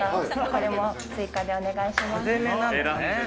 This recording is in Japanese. これも追加でお願いします。